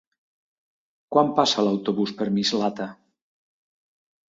Quan passa l'autobús per Mislata?